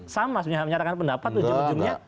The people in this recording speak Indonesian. sama sebenarnya menyatakan pendapat ujung ujungnya